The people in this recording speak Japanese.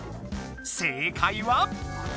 正解は？